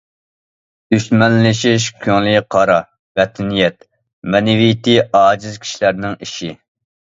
دۈشمەنلىشىش كۆڭلى قارا، بەتنىيەت، مەنىۋىيىتى ئاجىز كىشىلەرنىڭ ئىشى.